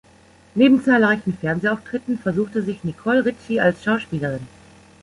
Neben zahlreichen Fernsehauftritten versuchte sich Nicole Richie als Schauspielerin.